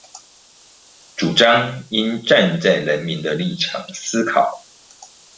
主張應站在人民的立場思考